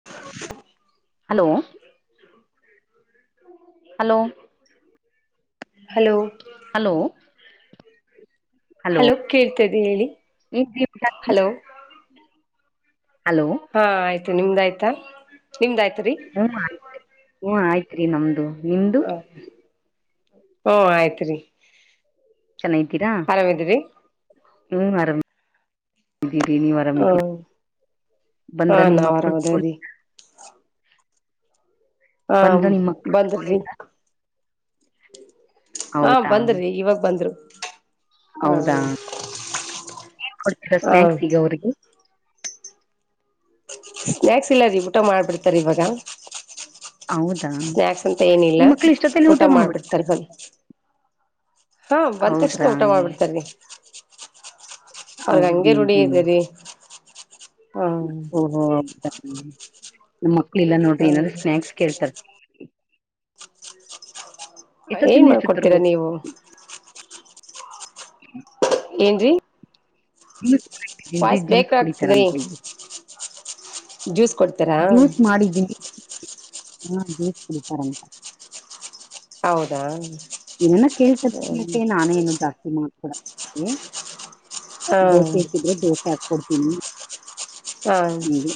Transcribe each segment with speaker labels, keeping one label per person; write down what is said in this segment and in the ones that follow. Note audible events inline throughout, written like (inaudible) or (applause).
Speaker 1: (inaudible)
Speaker 2: Hello hello
Speaker 1: hello
Speaker 2: hello
Speaker 1: hello ಕೇಳ್ತದೆ ಹೇಳಿ
Speaker 2: ಏನ್ರಿ ಊಟ
Speaker 1: ಹಲೋ.
Speaker 2: ಹಲೋ
Speaker 1: ಹಾ ಆಯ್ತು ನಿಮ್ದ ಆಯ್ತಾ ನಿಮ್ದ ಆಯ್ತಾ ರೀ.
Speaker 2: ಹ್ಮ ಆಯ್ತ್ರಿ ಹೂ ಆಯ್ತ್ರಿ ನಮ್ದು. ನಿಮ್ದು
Speaker 1: ಹು ಆಯ್ತ್ ರಿ.
Speaker 2: ಚೆನ್ನಾಗ್ದೀರಾ
Speaker 1: ಆರಾಮಿದ್ರಿ
Speaker 2: ಹುಂ ಆರಾಮ ನೀವ್ ಆರಾಮ ಇದ್ದೀರಿ
Speaker 1: ಹ್ಮ್ ಹಾ
Speaker 2: ಬಂದ್ರ ನಿಮ್
Speaker 1: ನಾವ್
Speaker 2: ಮಕ್ಕಳು ಸ್ಕೂ
Speaker 1: ಆರಾಮದೀವಿ ಹಾ
Speaker 2: ಬಂದ್ರ ನಿಮ್ ಮಕ್ಳು
Speaker 1: ಬಂದ್ರಿ ಈಗ
Speaker 2: ಸ್ಕೂಲಿಂದ
Speaker 1: ಹಾ
Speaker 2: ಹೌದಾ
Speaker 1: ಬಂದ್ರಿ ಇವಾಗ ಬಂದರು.
Speaker 2: ಹೌದಾ ಏನ್ ಕೊಡ್ತೀರಾ
Speaker 1: ಹ
Speaker 2: ಸ್ನಾಯಕ್ಸ್ ಈಗ ಅವ್ರಿಗೆ.
Speaker 1: ಸ್ನಾಯಕ್ಸ್ ಇಲ್ಲ ರೀ ಊಟ ಮಾಡ್ಬಿಡ್ತಾರ ಇವಾಗ.
Speaker 2: ಹೌದಾ
Speaker 1: ಸ್ನ್ಯಾಕ್ಸ್ ಅಂತ ಏನಿಲ್ಲಾ
Speaker 2: ನಿಮ್ ಮಕ್ಳು ಇಷ್ಟೊತ್ತಲ್ಲಿ ಊಟ
Speaker 1: ಊಟಾ
Speaker 2: ಮಾಡ್ಬಿ
Speaker 1: ಮಾಡ್ಬಿಡ್ತಾರೆ ಬಂದು ಹಾ ಬಂದ
Speaker 2: ಹೌದ್ರಾ
Speaker 1: ತಕ್ಷಣ ಊಟ ಮಾಡ್ಬಿಡ್ತಾರಿ. ಅವ್ರಗ ಹಂಗೆ ರೂಢಿ
Speaker 2: ಹೌದ್ರಿನ್ರಿ
Speaker 1: ಇದ್ದರಿ ಹ್ಮ.
Speaker 2: ಹ ಮಕ್ಕಳು ಇಲ್ಲ ನೋಡ್ರಿ ಏನಾದ್ರೂ
Speaker 1: ಹ
Speaker 2: ಸ್ನ್ಯಾಕ್ಸ್ ಕೇಳ್ತಾರೆ.
Speaker 1: ಏನ್
Speaker 2: ಎಷ್ಟೊತ್ತಿಂದ
Speaker 1: ಮಾಡ್ಕೊಡ್ತೀರಾ
Speaker 2: ಎಷ್ಟೊತ್ತರ್ಗ
Speaker 1: ನೀವು. ಏನ್ರೀ
Speaker 2: ಡಿ
Speaker 1: ವಾಯ್ಸ್
Speaker 2: ಜ್ಯೂಸ್
Speaker 1: ಬ್ರೇಕ್ ಆಗ್ತಿದೆ
Speaker 2: ಕುಡಿತಾರಂತೆ
Speaker 1: ಜ್ಯೂಸ್ ಕೊಡ್ತ
Speaker 2: ಜ್ಯೂಸ್ ಮಾಡಿದ್ದೀನಿ ಹ ಜ್ಯೂಸ್ ಕುಡಿತಾರಂತ
Speaker 1: ಹೌದಾ
Speaker 2: ನ ಕೇಳ್ತ ತಿಕ್ಕೆ ನಾನೇ ಏನು ಜಾಸ್ತಿ ಮಾಡ್ಕೊಡಲ ಅವರಿಗೆ.
Speaker 1: ಹಾ
Speaker 2: ದೋಸೆ ಇಸಿದ್ರೆ ದೋಸೆ ಹಾಕ್ಕೊಡ್ತೀನಿ
Speaker 1: ಹಾ
Speaker 2: ಹಂಗೆ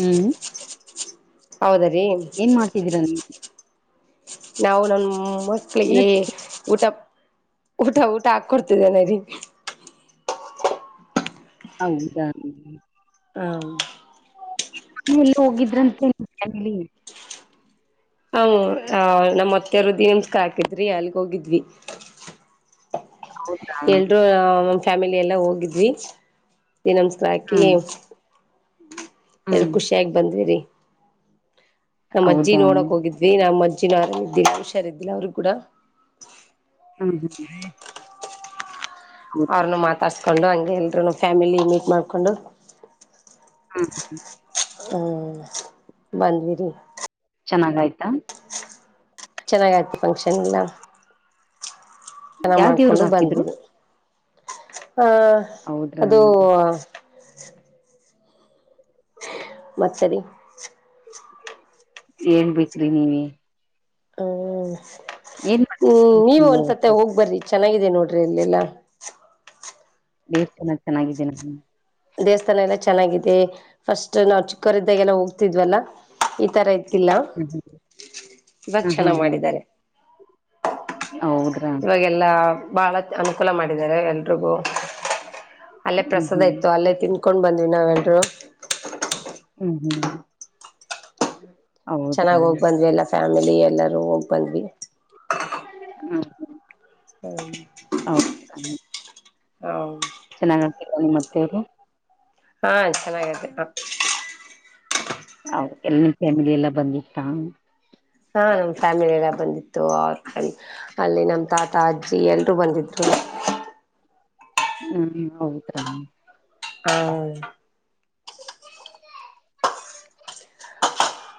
Speaker 2: ಹುಂ
Speaker 1: ಹೌದ ರೀ
Speaker 2: ಏನ್ ಮಾಡ್ತಿದ್ದೀರಾ ನೀವು
Speaker 1: ನಾವು ನನ್
Speaker 2: ಏನ
Speaker 1: ಮಕ್ಕಳಿಗೆ ಊಟಾ ಊಟಾ ಊಟಾ ಹಾಕ್ಕೊಡ್ತಿದ್ದೇನೆ
Speaker 2: ಹೌದಾ
Speaker 1: ಹ್
Speaker 2: ಎಲ್ಲಿಗೊ ಹೋಗಿದ್ರಂತೆ.
Speaker 1: ಹ್ ನಮ್ಮ ಅತ್ತೆರು ದಿಮಸ್ಕ ಹಾಕಿದ್ರಿ ಅಲ್ಲಿಗೆ ಹೋಗಿದ್ವಿ.
Speaker 2: ಹೌದಾ
Speaker 1: ಎಲ್ರೂ ಫ್ಯಾಮಿಲಿ ಎಲ್ಲಾ ಹೋಗಿದ್ವಿ. ದಿಡು ನಮಸ್ಕಾರ ಹಾಕಿ
Speaker 2: ಹ್ಮ್
Speaker 1: ಎಲ್
Speaker 2: ಹ್ಮ್
Speaker 1: ಖುಷಿಯಾಗಿ ಬಂದ್ವಿ ರೀ ನಮ್ಮ ಅಜ್ಜಿ
Speaker 2: ಹೌದಾ
Speaker 1: ನೋಡಕ್
Speaker 2: ಹ್ಮ್
Speaker 1: ಹೋಗಿದ್ವಿ ಇ ನಮ್ಮ ಅಜ್ಜಿ ಆರಾಮ್ ಹುಷಾರ್ ಇದ್ದಿರಲಿಲ್ಲಾ ಅವ್ರರುೂ
Speaker 2: ಹುಂ ಹುಂ
Speaker 1: ಅವ್ರೂ ಮಾತಾಡಿಸಕೊಂಡು ಹಂಗೆ ಎಲ್ಲರೂ ಫ್ಯಾಮಿಲಿ ಮೀಟ್ ಮಾಡಿಕೊಂಡು
Speaker 2: ಹುಂ
Speaker 1: ಹುಂ ಬಂದಿವಿರಿ
Speaker 2: ಚೆನ್ನಾಗಿ ಆಯ್ತಾ
Speaker 1: ಚೆನ್ನಾಗಿ ಆಯ್ತಿ ಫಂಕ್ಷನ್ ಎಲ್ಲ ಎಲ್ಲಾ
Speaker 2: ಯಾವ ದೇವ್ರಗ್
Speaker 1: ಮಾಡ್ಕೊಂಡು
Speaker 2: ಹಾಕಿದ್ರು
Speaker 1: ಬಂದವಿ ಆ
Speaker 2: ಹೌದ್ರಾ
Speaker 1: ಅದು ಮತ್ ರೀ
Speaker 2: ಏನ್ ಬೇಕ್ರಿ ನೀಮಗೆ
Speaker 1: ಹಂ
Speaker 2: ಏನ್
Speaker 1: ಹುಂ ನೀವ
Speaker 2: ಮಾಡ್ತೀರಿ
Speaker 1: ಒಂದ್ಸತ್ತ
Speaker 2: ಅವತ್ತು
Speaker 1: ಹೋಗ್ ಬರ್ರಿ ಚೆನ್ನಾಗಿದೆ ನೋಡ್ರಿ ಇಲ್ಲೆಲ್ಲಾ.
Speaker 2: ದೇವಸ್ಥಾನ ಚೆನ್ನಾಗಿದ್ದೆ ನಾನು
Speaker 1: ದೇವಸ್ಥಾನ ಎಲ್ಲಾ ಚೆನ್ನಾಗಿದೆ ಫಸ್ಟ್ ನಾವು ಚಿಕ್ಕವರಿದ್ದಾಗ ಎಲ್ಲಾ ಹೋಗ್ತಿದ್ವಲ್ಲಾ ಈ ತರ ಇ ಇಲ್ಲ ಇವಾಗ
Speaker 2: ಹ್ಮ್ ಹ್ಮ್ ಹ್ಮ್
Speaker 1: ಚನಾಗ್
Speaker 2: ಹ್ಮ್
Speaker 1: ಮಾಡಿದ್ದಾರೆ
Speaker 2: ಹೌದ್ರಾ
Speaker 1: ಇವಾಗ್ ಎಲ್ಲಾ ಬಹಳ ಅನುಕೂಲ ಮಾಡಿದ್ದಾರೆ ಎಲ್ರಿಗೂ ಅಲ್ಲೇ
Speaker 2: ಹ್ಮ್
Speaker 1: ಪ್ರಸಾದ
Speaker 2: ಹ್ಮ್
Speaker 1: ಇತ್ತು ಅಲ್ಲೇ ತಿನ್ಕೊಂಡು ಬಂದ್ವಿ ನಾವೆಲ್ರರು
Speaker 2: ಹ್ಮ್ ಹ್ಮ್ ಹೌದಾ
Speaker 1: ಚೆನ್ನಾಗಿ ಹೋಗಿ
Speaker 2: ಹ್ಮ್
Speaker 1: ಬಂದ್ವಿ ಎಲ್ಲ ಫ್ಯಾಮಿಲಿ ಎಲ್ಲರೂ ಹೋಗಿ ಬಂದ್ವಿ
Speaker 2: ಹಾ
Speaker 1: ಹ್ಮ (inaudible)
Speaker 2: ಹೌ ದ
Speaker 1: ಹೌ
Speaker 2: ಚೆನ್ನಾಗ ಆಗ್ತ ನಿಮ್ ಅತ್ತೆವರು
Speaker 1: ಹಾ ಚೆನ್ನಾಗತಿ
Speaker 2: ಹ ಎಲ್ಲ ನಿಮ್ ಫ್ಯಾಮಿಲಿ ಎಲ್ಲಾ ಬಂದಿತಾ
Speaker 1: ಹಾ ನಮ್ ಫ್ಯಾಮಿಲಿ ಎಲ್ಲ ಬಂದಿತ್ತು ಅವ್ರ ಫ್ಯಾ ಅಲ್ಲಿ ನಮ್ಮ ತಾತ ಅಜ್ಜಿ ಎಲ್ರೂ ಬಂದಿದ್ರು
Speaker 2: ಹಾ ಹೌದ್ರಾ
Speaker 1: ಹಾ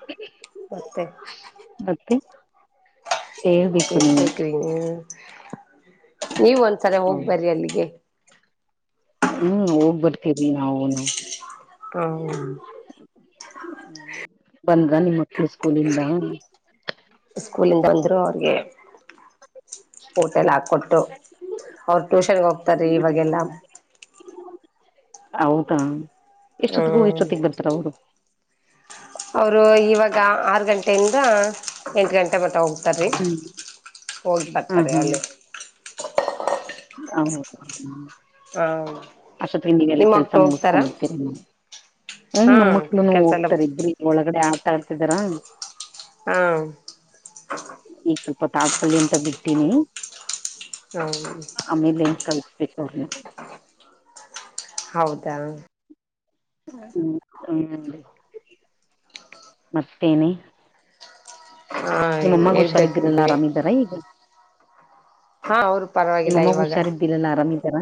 Speaker 2: (inaudible)
Speaker 1: ಮತ್ತೆ
Speaker 2: ಮತ್ತಿ
Speaker 1: ಹೇಬೇಕ್ರಿ ನೀ ನೀವ್ ಒಂದ್ಸಲ
Speaker 2: ಹೌದು.
Speaker 1: ಹೋಗ್ಬರ್ರಿ ಅಲ್ಲಿಗೆ
Speaker 2: ಹ್ಮ್ ಹೋಗ್ಬರ್ತೀರಿ ನಾವುನು
Speaker 1: ಹ ಹ್ಮ್
Speaker 2: ಬಂದ್ರಾ ನಿಮ್ ಮಕ್ಳು ಸ್ಕೂಲಿಂದ
Speaker 1: ಸ್ಕೂಲಿಂದ ಬಂದ್ರು ಆಗ್ಲೇ ಊಟ ಎಲ್ಲ ಹಾಕೊಟ್ಟು ಅವ್ರ ಟ್ಯೂಷನ್ಗೆ ಹೋಗ್ತಾರೀ
Speaker 2: ಹ್ಮ್
Speaker 1: ಇವಾಗೆಲ್ಲ
Speaker 2: ಹೌದಾ ಎಷ್ಟೊತ್ತಿಗೆ ಹೋಗ್
Speaker 1: ಹ್ಮ್
Speaker 2: ಎಷ್ಟೊತ್ತಿಗೆ ಬರ್ತಾರ ಅವರು
Speaker 1: ಅವರು ಇವಾಗ ಆರು ಗಂಟೆಯಿಂದ ಎಂಟು ಗಂಟೆ ಬರ್ತ ಹೋಗ್ ಬತ್ತಾರಿ
Speaker 2: ಹ್ಮ್
Speaker 1: ಹೋಗಿ
Speaker 2: ಹ್ಮ್
Speaker 1: ಬರ್ತಾರೆ ಅಲ್ಲಿ
Speaker 2: ಹೌದ
Speaker 1: ಹ
Speaker 2: ಅಷ್ಟರಲ್ಲಿ ತಿಂಡಿಗೆಲ್ಲ
Speaker 1: ನಿಮ್ಮ
Speaker 2: ಕೆಲ್ಸ
Speaker 1: ಮಕ್ಳು ಹೋಗ್ತಾರಾ
Speaker 2: ಮುಗಿಸಕೊಂಡ್ಬಿಡ್ತೀರ ಹ್ಮ
Speaker 1: ಹಾ
Speaker 2: ನಮ್ ಮಕ್ಳುನು
Speaker 1: ಕೆಲ್ಸ ಎಲ್ಲ
Speaker 2: ಹೋಗ್ತಾರ ಇಬ್ರಗ ಒಳಗಡೆ ಆಟಾಡ್ತಿದಾರ
Speaker 1: ಹ್ಮ
Speaker 2: ಈಗ್ ಸ್ವಲ್ಪ ಆಡ್ ಳ್ಕೊಳ್ಳಿ ಅಂತ ಬಿಟ್ಟಿನಿ
Speaker 1: ಹ
Speaker 2: ಆಮೇಲೆ ಏನ್ ಕಳಿಸ್ಬೇಕು ಅವ್ರ್ನ
Speaker 1: ಹೌದಾ
Speaker 2: ಹ್ಮ ಹ್ಮ ಮತ್ತೇನೆ
Speaker 1: ಹಾ
Speaker 2: ನಿಮ್ಮಮ್ಮಗ
Speaker 1: ಹೇಳ್ಬೇಕ್ರಿ
Speaker 2: ಹುಷಾರಿದ್ರಲ್ಲಾ
Speaker 1: ನೀವೇ
Speaker 2: ಆರಾಮ ಇದಾರ ಈಗ
Speaker 1: ಹಾ ಅವರು ಪರವಾಗಿಲ್ಲ
Speaker 2: ನಿಮ್ಮಮ್ಮಗ
Speaker 1: ಇವಾಗ
Speaker 2: ಹುಷಾರಿದ್ದಿಲ್ಲಲ್ಲ ಆರಾಮ್ ಇದ್ದಾರ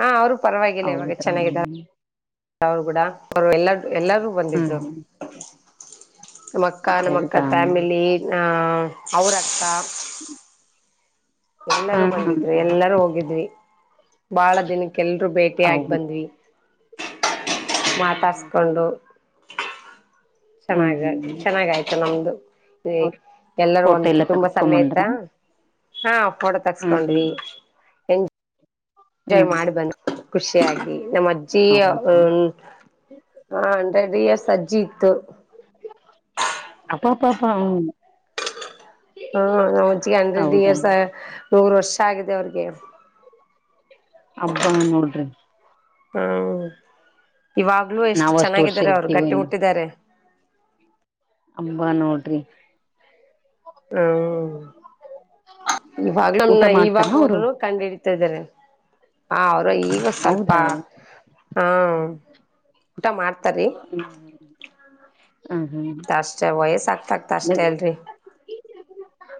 Speaker 1: ಹಾ ಅವ್ರು ಪರವಾಗಿಲ್ಲ ಇವಾಗ ಚೆನ್ನಾಗಿದ್ದಾರೆ
Speaker 2: ಹ್ಮ್
Speaker 1: ಅವರು ಕೂಡ ಅವರು ಎಲ್ಲ ಎಲ್ಲಾರೂ ಬಂದಿದ್ರು
Speaker 2: ಹ್ಮ್
Speaker 1: ನಮ್ ಅಕ್ಕ ನಮ್ಮ ಅಕ್ಕ
Speaker 2: ಹೌದಾ ಹ್ಮ್
Speaker 1: ಫ್ಯಾಮಿಲಿ ನ ಅವ್ರಕ್ಕ
Speaker 2: ಹ್ಮ್ (unintelligible)
Speaker 1: ಎಲ್ಲರೂ
Speaker 2: ಹ್ಮ್
Speaker 1: ಬಂದಿದ್ರು ಎಲ್ಲರೂ ಹೋಗಿದ್ವಿ ಬಹಳ ದಿನಕ್ಕೆಲ್ರುೂ ಭೇಟಿಯಾಗಿ
Speaker 2: ಹೌದು
Speaker 1: ಬಂದ್ವಿ
Speaker 2: ಹ್ಮ್ ಹ್ಮ್
Speaker 1: ಮಾತಾಡ್ಸ್ಕೊಂಡು
Speaker 2: ಹ್ಮ್
Speaker 1: ಚೆನ್ನಾಗ
Speaker 2: ಹ್ಮ್
Speaker 1: ಚೆನ್ನಾಗಾಯ್ತು ನಮ್ದು
Speaker 2: ಅವ್ರ
Speaker 1: ಎಲ್ಲರೂ
Speaker 2: ಫೋಟೋ
Speaker 1: ಒಂದ್
Speaker 2: ಎಲ್ಲ
Speaker 1: ಕುಟುಂಬ ಸಮೇತ
Speaker 2: ತಗಸ್ಕೊಂಬಂದ್ರ
Speaker 1: ಹಾ ಫೋಟೋ
Speaker 2: ಹ್ಮ್
Speaker 1: ತಕ್ಸ್ಕೊಂಡ್ವಿ ಎಂಜಾಯ್
Speaker 2: ಹ್ಮ್
Speaker 1: ಮಾಡ್ ಬಂದ ಖುಷಿಯಾಗಿ ನಮ್ಮ್ ಅಜ್ಜಿ
Speaker 2: ಹೌದಾ
Speaker 1: ಹ್ಮ್ ಹಾ ಹಂಡ್ರೆಡ್ ಇಯರ್ಸ್ ಅಜ್ಜಿ ಇತ್ತು
Speaker 2: ಅಪ್ಪ ಅಪ್ಪಪ
Speaker 1: ಹಾ ನಮ್ ಅಜ್ಜಿಗೆ ಹಂಡ್ರೆಡ್ ಇಯರ್ಸ್ ನೂರು ವರ್ಷ ಆಗಿದೆ ಅವ್ರಿಗೆ
Speaker 2: ಹಬ್ಬಾ ನೋಡ್ರಿ
Speaker 1: ಹ್ಮ ಇವಾಗ್ಲೂ ಎಷ್ಟು
Speaker 2: ನಾವ್ ಅಷ್ಟ್ ವರ್ಷ
Speaker 1: ಚೆನ್ನಾಗಿದ್ದಾರೆ ಅವ್ರು
Speaker 2: ಇರ್ತೀವೋ
Speaker 1: ಗಟ್ಟಿ ಮುಟ್ಟಿದ್ದಾರೆ
Speaker 2: ಅಂಬಾ ನೋಡ್ರಿ
Speaker 1: ಹ್ಮ ಇವಾಗ್ಲು
Speaker 2: ಊಟ
Speaker 1: ನ
Speaker 2: ಮಾಡ್ತಾರ
Speaker 1: ಇವಾಗ
Speaker 2: ಅವರು
Speaker 1: ಹೋದ್ರು ಕಂಡು ಹಿಡಿತ ಇದಾರೆ ಆ ಅವರು ಈಗ ಸ್ವಲ್ಪ
Speaker 2: ಹೌದಾ
Speaker 1: ಹಾ ಊಟ ಮಾಡ್ತಾರಿ
Speaker 2: ಹ್ಮ್ ಹ್ಮ್ ಹ ಹಾ
Speaker 1: ಅಷ್ಟೇ ವಯಸ್ಸ ಆಗ್ತ ಆಗ್ತ ಅಷ್ಟೇ ಅಲ್ರಿ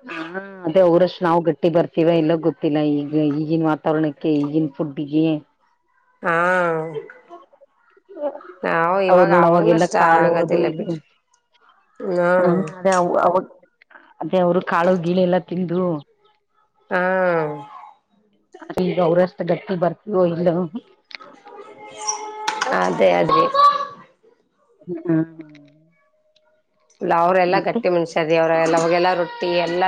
Speaker 2: ಹ (inaudible) ಹ ಅದೆ ಅವರಷ್ಟು ನಾವು ಗಟ್ಟಿ ಬರ್ತಿವ ಎಲ್ಲ ಗೊತ್ತಿಲ್ಲ ಈಗ ಈಗಿನ ವಾತಾವರಣಕ್ಕೆ ಈಗಿನ ಫುಡ್ಗೆ
Speaker 1: ಹಾ ನಾವು
Speaker 2: ಅವ್ರ್
Speaker 1: ಇವಾಗ
Speaker 2: ನೋಡು
Speaker 1: ಅವಾಗನು
Speaker 2: ಅವಾಗೆಲ್ಲ
Speaker 1: ಅಷ್ಟ
Speaker 2: ಕಾಳು ಅದು
Speaker 1: ಆಗೋದಿಲ್ಲ
Speaker 2: ಇದು
Speaker 1: ಬಿಡ್ರಿ ಹಾ
Speaker 2: ಅದೆ ಅವ್ ಅವರು ಕಾಳು ಗೀಳು ಎಲ್ಲಾ ತಿಂದು
Speaker 1: ಹಾ
Speaker 2: ಈಗ ಅವ್ರಷ್ಟ ಗಟ್ಟಿ ಬರ್ತವೋ ಇಲ್ಲ
Speaker 1: ಅದೇ ಅದೇ
Speaker 2: ಹ್ಮ
Speaker 1: ಲ್ಲ ಅವರೆಲ್ಲ ಗಟ್ಟಿ ಮನುಷ್ಯ ದ ಅವ್ರ ಅವಾಗೆಲ್ಲ ರೊಟ್ಟಿ ಎಲ್ಲ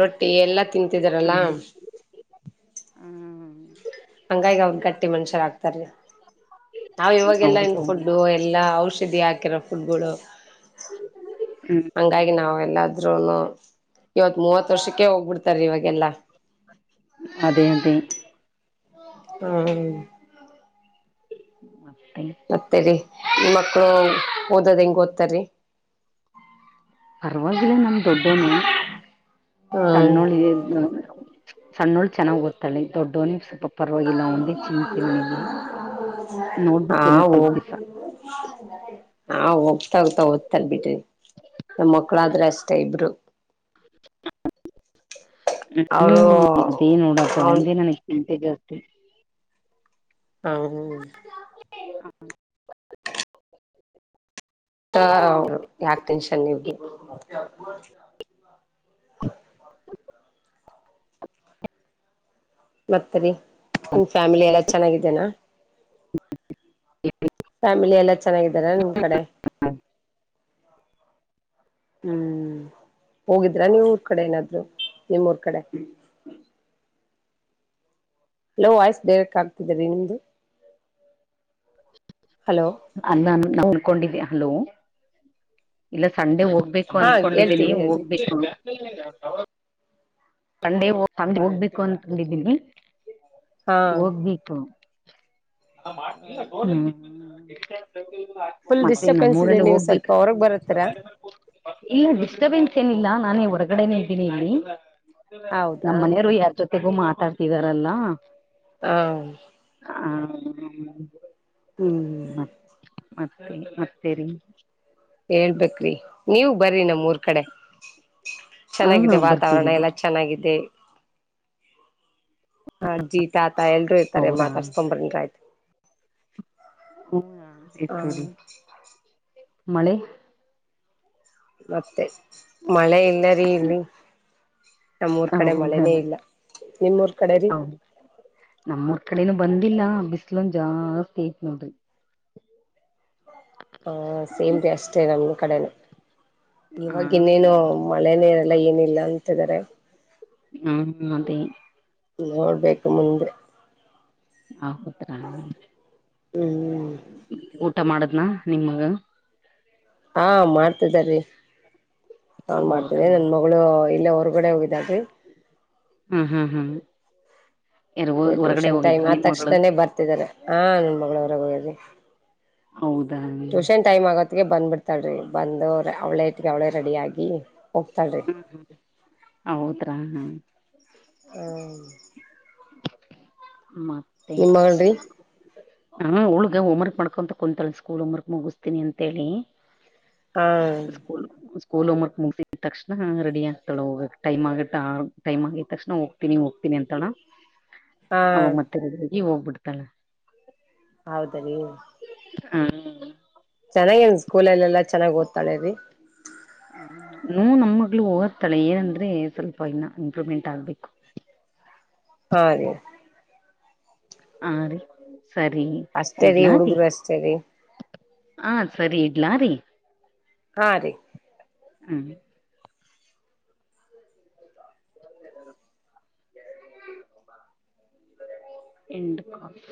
Speaker 1: ರೊಟ್ಟಿ ಎಲ್ಲಾ ತಿಂತಿದಾರಲ್ಲಾ
Speaker 2: ಹ
Speaker 1: ಹಂಗಾಗಿ ಅವ್ರ ಗಟ್ಟಿ ಮನುಷ್ಯರ ಆಗ್ತಾರೀ ನಾವು ಇವಾಗೆಲ್ಲ
Speaker 2: ಹೌದು
Speaker 1: ಇನ
Speaker 2: ಹೌದು
Speaker 1: ಫುಡ್ಡು ಎಲ್ಲ ಔಷಧಿ ಹಾಕಿರೋ ಫುಡ್ಗಳು
Speaker 2: ಹ್ಮ್
Speaker 1: ಹಂಗಾಗಿ ನಾವ್ ಎಲ್ಲಾದ್ರೂನು ಇವತ್ ಮೂವತ್ ವರ್ಷಕ್ಕೆ ಹೋಗ್ಬಿಡ್ತಾರ ಇವಾಗೆಲ್ಲ
Speaker 2: ಅದೇ ಅದೇ
Speaker 1: ಹಾ
Speaker 2: ಹತ (unintelligible)
Speaker 1: ಮತ್ತೆರಿ ನಿಮ್ ಮಕ್ಳು ಓದೋದ್ ಹೆಂಗ್ ಓದ್ತಾರೀ
Speaker 2: ಪರವಾಗಿಲ್ಲ ನಮ್ ದೊಡ್ಡೋನು
Speaker 1: ಹ್ಮ್
Speaker 2: ಸಣ್ಣವ್ಳ್ ಇದ್ ಸಣ್ಣುಳು ಚೆನ್ನಾಗ್ ಓದ್ತಳಿ ದೊಡ್ಡೋನೆ ಸ್ವಲ್ಪ
Speaker 1: ಹ
Speaker 2: ಪರವಾಗಿಲ್ಲ
Speaker 1: ವು
Speaker 2: ಅವಂದೇ
Speaker 1: (unintelligible)
Speaker 2: ಚಿಂತೆ ನನಗೆ ನೋಡ್ಬೇಕ ಇನ್ನ ಸ್ವಲ್ಪ ದಿವ್ಸ
Speaker 1: ಹಾ ಹೋಗ್ತಾ ಹೋಗ್ತಾ ಓದ್ತಾರ ಬಿಡ್ರಿ ನಮ್ಮ್ ಮಕ್ಳಾದ್ರೆ ಅಷ್ಟ ಇಬ್ರು
Speaker 2: ಹ್ಮ
Speaker 1: ಅವರು
Speaker 2: ಹ್ಮ್ ಅದೇನ್ ನೋಡ ತ
Speaker 1: ಅವ್ನ್
Speaker 2: ಒಂದಿನ ಹ (unintelligible) ಹ (inaudible)
Speaker 1: ಹಾ.
Speaker 2: (unintelligible)
Speaker 1: ಹೌ ಯಾಕೆ ಟೆನ್ಷನ್ ನಿಮಗೆ. ಮತ್ತರಿ ನಿಮ್ಮ ಫ್ಯಾಮಿಲಿ ಎಲ್ಲ ಚೆನ್ನಾಗಿದ್ದಾರಾ. ಫ್ಯಾಮಿಲಿ ಎಲ್ಲಾ ಚೆನ್ನಾಗಿದಾರಾ ನಿಮ್ ಕಡೆ. ಹ್ಮ್ ಹೋಗಿದ್ರ ನೀವ ಊರ್ ಕಡೆ ಏನಾದ್ರು ನಿಮ್ಮ ಊರು ಕಡೆ ಹಲೋ
Speaker 2: (unintelligible) ಹಲೋ ಇಲ್ಲ ಸಂಡೆ ಹೋಗ. ಹೋಗ್ಬೇಕು
Speaker 1: ಹಾ
Speaker 2: ಅನ್ಕೊಂಡಿದ್ದೀನಿ
Speaker 1: ಹೇಳ್ತಿದೆ ಹೇಳ್ರಿ
Speaker 2: ಹೋಗ್ಬೇಕು. ಸಂಡೆ ಹೋಗ್ಬೇಕು ಅಂತಕೊಂಡಿದೀನಿ
Speaker 1: ಹಾ
Speaker 2: ಹೋಗ್ಬೇಕು. (unintelligible)
Speaker 1: ಫುಲ್
Speaker 2: ಮತ್ತೆ
Speaker 1: ಡಿಸ್ಟರ್ಬೆನ್ಸ್ ಇದೆ
Speaker 2: ನಮ್ಮೂಊರಲ್ಲಿ
Speaker 1: ನೀವು ಸ್ವಲ್ಪ
Speaker 2: ಹೋಗ್ಬೇಕು.
Speaker 1: ಹೊರಗ್ ಬರತ್ತೀರಾ
Speaker 2: ಇಲ್ಲ ಡಿಸ್ಟರ್ಬೆನ್ಸ್ ಏನಿಲ್ಲ ನಾನೇ ಹೊರಗಡೆನೆೇ ಇದ್ದೀನಿ ಇಲ್ಲಿ.
Speaker 1: ಹೌದಾ
Speaker 2: ನಮ್ಮ್ ಮನೆಯವರು ಯಾರ್ ಜೊತೆಗೂ ಮಾತಾಡ್ತಿದಾರಲ್ಲ.
Speaker 1: ಹ್ಮ
Speaker 2: ಹಾ
Speaker 1: ಹ್ಮ್
Speaker 2: ಮತ್ ಮತ್ತೆ ಮತ್ತೇರಿ.
Speaker 1: ಹೇಳ್ಬೇಕ್ರಿ ನೀವು ಬರ್ರಿ ನಮೂರ್ ಕಡೆ
Speaker 2: ಹಾ
Speaker 1: ಚೆನ್ನಾಗಿದೆ ವಾತಾವರಣ
Speaker 2: ಬರ್ತೀವಿ
Speaker 1: ಎಲ್ಲ.
Speaker 2: ಬರ್
Speaker 1: ಚೆನ್ನಾಗಿದೆ ಅಜ್ಜಿ ತಾತ ಎಲ್ರೂ.
Speaker 2: ಹೌದಾ
Speaker 1: ಮಾತಾಡ್ಸ್ಕೊಂಬ್ರನ್ ಆಯ್ತು.
Speaker 2: ಹ್ಮ
Speaker 1: ಹ
Speaker 2: ಮಳೆ.
Speaker 1: ಮತ್ತೆ ಮಳೆ ಇಲ್ಲರಿ ಮಳೆ ಇಲ್ಲರೀ ಇಲ್ಲಿ. ನಮ್ಮೂರ್ ಕಡೆ
Speaker 2: ಹೌದಾ
Speaker 1: ಮಳೆನೇ ಇಲ್ಲ ನಿಮ್ಮೂರ್ ಕಡೆರೀ.
Speaker 2: ನಮ್ಮೂಊರ್ ಕಡೆನ ಬಂದಿಲ್ಲ ಬಿಸ್ಲು ಒಂದ ಜಾಸ್ತಿ ಐತ್ ನೋಡ್ರಿ.
Speaker 1: ಹ ಸೇಮ್ ಅಷ್ಟೇ ನಮ್ ಕಡೆನು.
Speaker 2: ಹಾ
Speaker 1: ಇವಾಗ ಇನ್ನೇನು ಮಳೆನೇನೆಲ್ಲ ಏನಿಲ್ಲ ಅಂತಿದಾರೆ.
Speaker 2: ಹ್ಮ ಅದೇ
Speaker 1: ನೋಡ್ಬೇಕು ಮುಂದೆ.
Speaker 2: ಆ
Speaker 1: ಹ್ಮ್
Speaker 2: ಊಟ ಮಾಡದ್ನಾ ನಿಮ್ಮ ಮಗ
Speaker 1: ಹಾ ಮಾಡ್ತಿದ್ದಾರೀ ಅವನ್
Speaker 2: ಹೌದಾ
Speaker 1: ಮಾಡ್ತೇನಿ ನನ್ ಮಕ್. ಅವಳ ಇಲ್ಲೇ ಹೊರಗಡೆ ಹೋಗಿದಾಳೆ
Speaker 2: ಹ್ಮ್ ಹ್ಮ್. ಯಾರು ಹೊರಗಡೆ
Speaker 1: ಟ್ಯೂಷನ್
Speaker 2: ಹೋಗಿದ್ರ
Speaker 1: ಟೈಮ್ ಆದ
Speaker 2: ನಿಮ್ ಮಗಳು
Speaker 1: ತಕ್ಷಣನೇ ಬರ್ತಿದಿದ್ದಾರೆ ಹ ನನ್ ಮಗಳವ್ರಾಗ ಹೋಗ್ರಿ.
Speaker 2: ಹೌದಾ.
Speaker 1: ಟೈಮ್ ಆಗೋತ್ತಗೆ ಬಂದ್ಬಿಡ್ತಾಳ್ರಿ ಬಂದು ಅವ್ಳೇ ಅವಳೇ ರೆಡಿ ಆಗಿ. ಹೋಗ್ತಾಳ್ರಿ
Speaker 2: ಹ್ಮ್ ಹ್ಮ್ ಹೌದ್ರಾ ಹ್ಮ.
Speaker 1: ಹ್ಮ
Speaker 2: (inaudible)
Speaker 1: ನಿಮ್ಮ ಮಗಳುರೀ.
Speaker 2: ಹಾ (unintelligible) ಹೋಮ್ವರ್ಕ್ ಮಾಡ್ಕೊಂತ ಕುಂತ ಸ್ಕೂಲ್ ಹೋಮ್ವರ್ಕ್ ಮುಗಿಸ್ತಿನಿ ಅಂತ ಹೇಳಿ.
Speaker 1: ಹಾ
Speaker 2: (inaudible) ಸ್ಕೂಲ್ ಹೋಮ್ ವರ್ಕ್ ಮುಗಿಸಿದ ತಕ್ಷಣ ರೆಡಿ ಆಗ್ತಾಳ ಹೋಗಕ್ ಟೈಮ ಆಗಿ ಆ ಟೈಮ್ ಆಗಿದ ತಕ್ಷಣ ಹೋಗ್ತನಿಹೋಗ್ತೀನಿ ಅಂತಾಳ. ಅವಾಗ
Speaker 1: ಹಾ
Speaker 2: ಮತ್ತೆ ಹೋಗ್ಬಿಡ್ತಳ.
Speaker 1: ಹೌದ ರೀ
Speaker 2: ಹಾ
Speaker 1: ಚೆನ್ನಾಗಿ ನ್ ಸ್ಕೂಲಲ್ಲಿ ಎಲ್ಲಾ ಚೆನ್ನಾಗಿ ಓದತಾಳೆ ರೀ
Speaker 2: ಹುಂ ನೂ ನಮ್ಮ ಮಗಳು ಓದತಾಳೆ ಏನಂದ್ರೆ ಸ್ವಲ್ಪ ಇನ್ನು ಇಂಪ್ರೂವ್ಮೆಂಟ್ ಆಗ್ಬೇಕು
Speaker 1: ಹಾ ರಿ
Speaker 2: ಹಾ ರೀ ಸರಿ
Speaker 1: ಅಷ್ಟ ರಿ
Speaker 2: ಇಡ್ಲಾ ರೀ
Speaker 1: ಹುಡುಗರು ಅಷ್ಟೆ ರಿ
Speaker 2: ಹಾ ಸರಿ ಇಡ್ಲ ರೀ
Speaker 1: ಹಾ ರೀ
Speaker 2: ಹುಂ (inaudible) ಎಂಡ ಕಾಪಿ